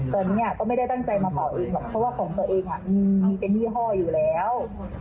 ตอนนี้ก็ไม่ได้ตั้งใจมาเป่าเองหรอกเพราะว่าของตัวเองมีเป็นยี่ห้ออยู่แล้ว